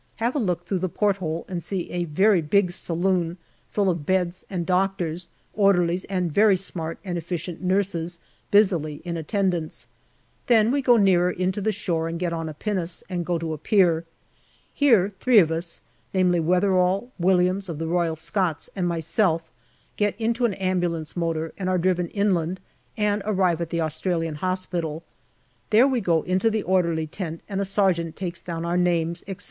Have a look through the port hole and see a very big saloon full of beds and doctors, orderlies and very smart and efficient nurses busily in attendance. Then we go nearer into the shore and get on to a pinnace, 160 GALLIPOLI DIARY and go to a pier. Here three of us namely Weatherall, Williams, of the Royal Scots, and my&lf get into an ambulance motor and are driven inland, and arrive at the Australian hospital. Then we go into the orderly tent, and a sergeant takes down our names, etc.